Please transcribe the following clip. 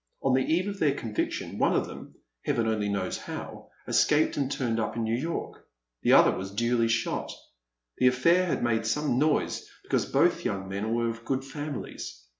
On the eve of their conviction, one of them, Heaven only knows how, escaped and turned up in New York. The other was duly shot. The afiiair had made some noise, because both young men were of good families.